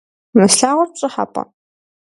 Мы слъагъур пщӏыхьэпӏэ?